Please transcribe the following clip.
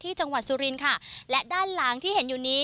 จังหวัดสุรินค่ะและด้านหลังที่เห็นอยู่นี้